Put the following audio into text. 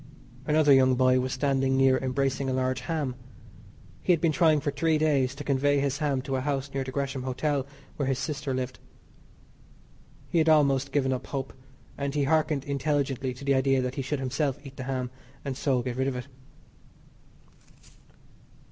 Another young boy was standing near embracing a large ham. He had been trying for three days to convey his ham to a house near the Gresham Hotel where his sister lived. He had almost given up hope, and he hearkened intelligently to the idea that he should himself eat the ham and so get rid of it.